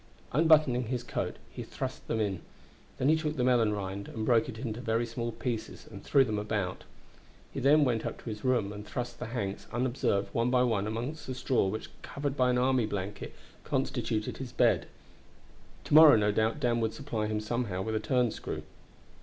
Unbuttoning his coat, he thrust them in; then he took the melon rind and broke it into very small pieces and threw them about. He then went up to his room and thrust the hanks, unobserved, one by one among the straw which, covered by an army blanket, constituted his bed. To morrow, no doubt, Dan would supply him somehow with a turn screw.